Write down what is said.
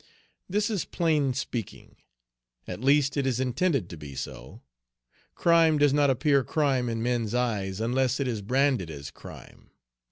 This is plain speaking. At least, it is intended to be so. Crime does not appear crime in men's eyes, unless it is branded as crime.